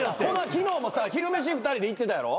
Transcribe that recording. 昨日もさ昼飯２人で行ってたやろ？